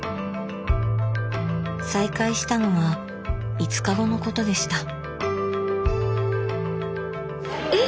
再開したのは５日後のことでした。